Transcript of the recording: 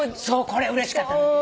そうこれうれしかった。